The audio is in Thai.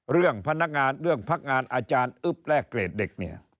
เรื่องพนักงานเรื่องพักงานอาจารย์อึ๊บแลกเกรดเด็กเนี่ย